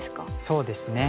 そうですね。